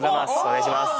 お願いします。